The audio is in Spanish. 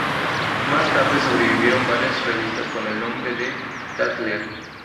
Más tarde sobrevivieron varias revistas con el nombre de "Tatler".